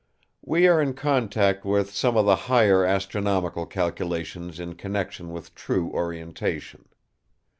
We are in contact with some of the higher astronomical calculations in connection with true orientation.